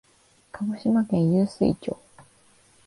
鹿児島県湧水町